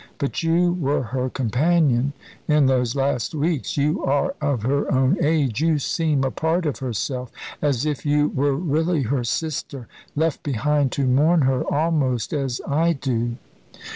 But you were her companion in those last weeks; you are of her own age; you seem a part of herself, as if you were really her sister, left behind to mourn her, almost as I do."